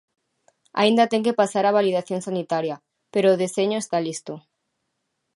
Aínda ten que pasar a validación sanitaria, pero o deseño está listo.